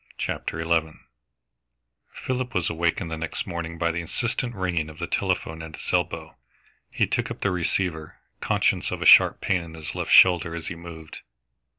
CHAPTER XI Philip was awakened the next morning by the insistent ringing of the telephone at his elbow. He took up the receiver, conscious of a sharp pain in his left shoulder as he moved.